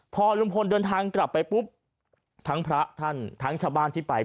พอลุงพลเดินทางกลับไปปุ๊บทั้งพระท่านทั้งชาวบ้านที่ไป